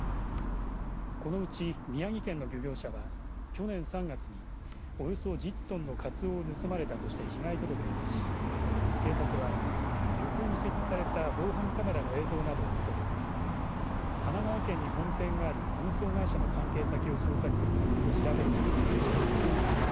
このうち宮城県の漁業者は去年３月におよそ１０トンのカツオを盗まれたとして被害届を出し警察は漁港に設置された防犯カメラの映像などをもとに神奈川県に本店がある運送会社の関係先を捜索するなど調べを進めてきました。